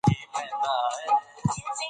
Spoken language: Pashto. ادارې باید ولس ته ځواب ویونکې وي